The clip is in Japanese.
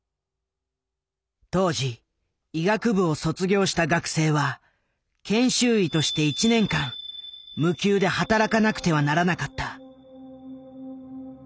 当時医学部を卒業した学生は研修医として１年間無給で働かなくてはならなかった。